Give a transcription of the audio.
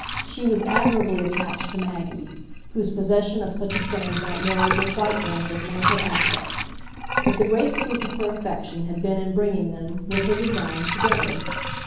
She was admirably attached to Maggie whose possession of such a friend might moreover quite rank as one of her "assets"; but the great proof of her affection had been in bringing them, with her design, together.